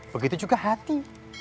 begitu juga hati